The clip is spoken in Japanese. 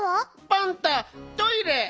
パンタトイレ。